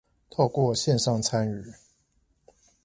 透過線上參與